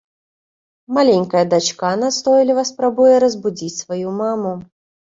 Маленькая дачка настойліва спрабуе разбудзіць сваю маму.